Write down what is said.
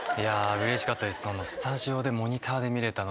うれしかったです。